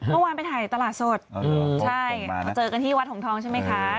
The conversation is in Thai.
เมื่อวานไปถ่ายตลาดสดใช่มาเจอกันที่วัดหงทองใช่ไหมคะ